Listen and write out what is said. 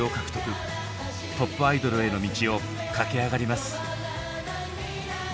トップアイドルへの道を駆け上がります。